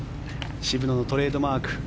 渋野のトレードマーク。